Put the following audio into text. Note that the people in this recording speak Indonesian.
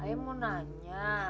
bang ayah mau nanya